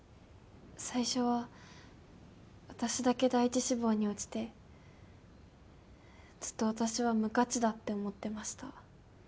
最初は私だけ第一志望に落ちてずっと私は無価値だって思ってました。